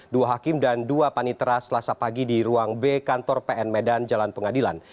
dua hakim dan dua panitera selasa pagi di ruang b kantor pn medan jalan pengadilan